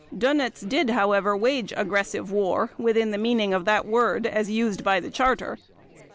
Dönitz did, however, wage aggressive war within the meaning of that word as used by the Charter.